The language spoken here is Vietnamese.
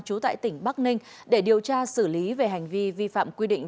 trú tại tỉnh bắc ninh để điều tra xử lý về hành vi vi phạm quy định